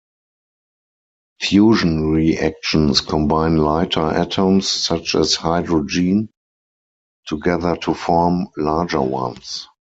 Fusion reactions combine lighter atoms, such as hydrogen, together to form larger ones.